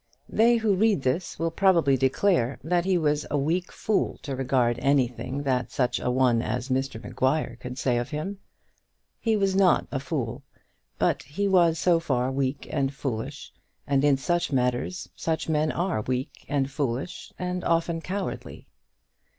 They who read this will probably declare that he was a weak fool to regard anything that such a one as Mr Maguire could say of him. He was not a fool, but he was so far weak and foolish; and in such matters such men are weak and foolish, and often cowardly.